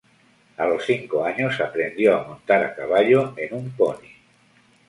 A los cinco años, aprendió a montar a caballo en un pony.